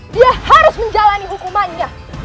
dia harus menjalani hukumannya